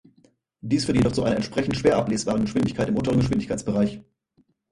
Dies führt jedoch zu einer entsprechend schwer ablesbaren Geschwindigkeit im unteren Geschwindigkeitsbereich.